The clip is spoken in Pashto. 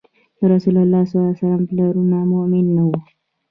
د رسول الله ﷺ پلرونه مؤمن نه وو